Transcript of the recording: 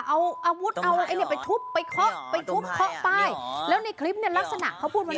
เอาอาวุธเอาไอ้เนี่ยไปทุบไปเคาะไปทุบเคาะป้ายแล้วในคลิปเนี่ยลักษณะเขาพูดมา